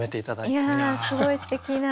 いやすごいすてきな。